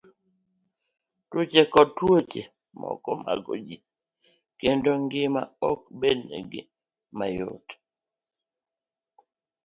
Tuoche koda tuoche moko mako ji, kendo ngima ok bedonegi mayot.